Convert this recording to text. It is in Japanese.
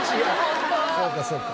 そうかそうか。